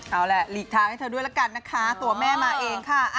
เอาแหละหลีกทางให้เธอด้วยละกันนะคะตัวแม่มาเองค่ะ